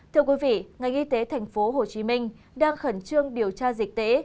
thưa quý vị ngành y tế tp hcm đang khẩn trương điều tra dịch tễ